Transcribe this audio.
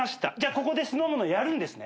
ここで酢の物やるんですね？